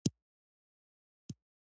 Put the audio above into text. دډالرو رنګ عجيبه جادوګر دی